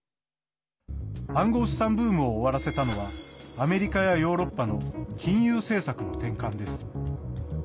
暗号資産ブームを終わらせたのはアメリカやヨーロッパの金融政策の転換です。